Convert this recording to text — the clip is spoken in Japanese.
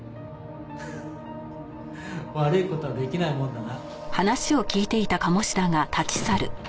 「フッ悪い事は出来ないもんだな」